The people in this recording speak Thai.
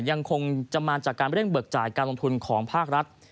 ยังคงจะมาจากการเร่งเบิกจ่ายการลงทุนของภาครัฐ